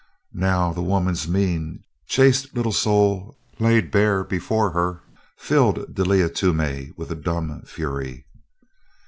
Now the woman's mean, chaste little soul laid bare before her filled Delia Toomey with a dumb fury.